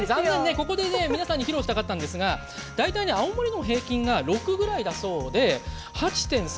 ここで皆さんに披露したかったんですが大体青森の平均が６ぐらいだそうで８．３